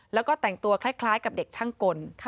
แล้วก็แต่งตัวคล้ายกับเด็กช่างกล